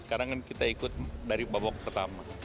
sekarang kan kita ikut dari babak pertama